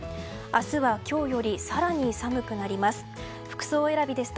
明日は今日より更に寒くなります。